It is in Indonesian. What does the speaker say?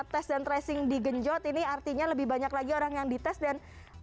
tes dan tracing digenjot ini artinya lebih banyak lagi orang yang dites dan